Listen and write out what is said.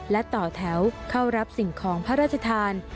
และต่อแถวเข้ารับสิ่งของพระราชทาน